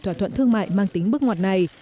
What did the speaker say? thỏa thuận thương mại mang tính bước ngoặt này